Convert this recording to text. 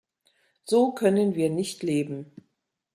So können wir nicht leben.